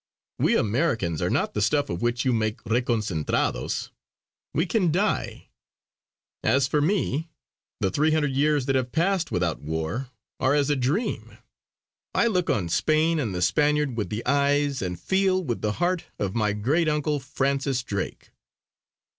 We Americans are not the stuff of which you make reconcentrados. We can die! As for me, the three hundred years that have passed without war, are as a dream; I look on Spain and the Spaniard with the eyes, and feel with the heart, of my great uncle Francis Drake."